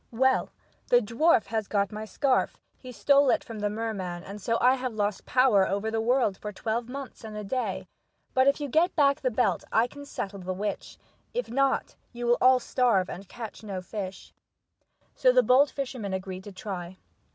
"Well, the dwarf has got my belt, he stole it from the merman, and so I have lost power over the world for twelve months and a day ; but if you get back the belt I can settle the witch ; if not, you will all starve ,and catch no fish." So the bold fisherman agreed to try.